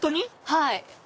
はい。